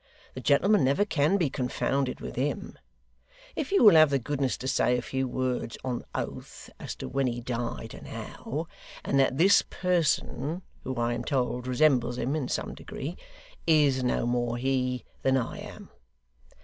The gentleman never can be confounded with him, if you will have the goodness to say a few words, on oath, as to when he died, and how; and that this person (who I am told resembles him in some degree) is no more he than I am.